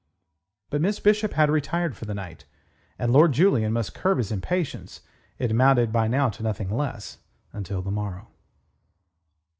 But Miss Bishop had retired for the night, and Lord Julian must curb his impatience it amounted by now to nothing less until the morrow.